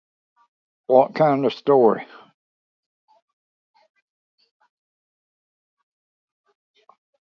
What kind of story?